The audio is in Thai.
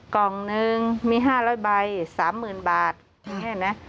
กล่องหนึ่งมี๕๐๐ใบ๓๐๐๐๐บาทอย่างนี้นะ